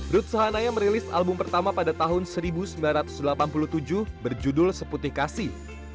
ruth sahanaya merilis album pertama pada tahun seribu sembilan ratus delapan puluh tujuh berjudul seputih kasih